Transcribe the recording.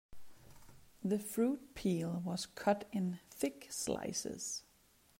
The fruit peel was cut in thick slices.